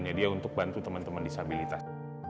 jadi untuk bantu teman teman disabilitas